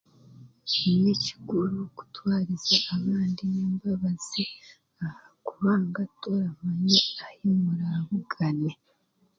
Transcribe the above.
Nikikuru kutwariza abandi n'embabazi aha kubanga toramanya ahi murabugane.